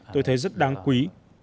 tôi thấy rất đáng quý